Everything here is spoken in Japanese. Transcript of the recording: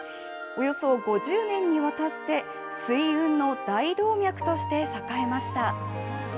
およそ５０年にわたって、水運の大動脈として栄えました。